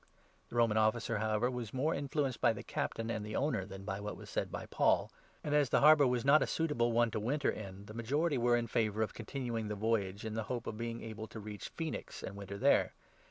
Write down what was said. The Roman Officer, however, was more influenced by the cap 1 1 tain and the owner than by what was said by Paul. And, as the 12 harbour was not a suitable one to winter in, the majority were in favour of continuing the voyage, in the hope of being able to reach Phoenix, and winter there.